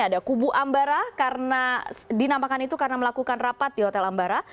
ada kubu ambara karena dinamakan itu karena melakukan rapat di hotel ambara